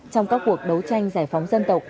trong các cuộc đấu tranh giải phóng dân tộc